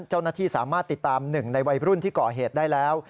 เจ้าหน้าที่สามารถติดตามหนึ่งในวัยรุ่นที่ก่อเหตุได้แล้ว